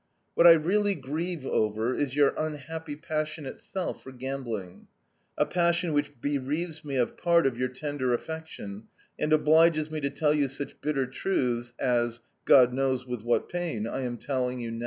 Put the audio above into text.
What I really grieve over is your unhappy passion itself for gambling a passion which bereaves me of part of your tender affection and obliges me to tell you such bitter truths as (God knows with what pain) I am now telling you.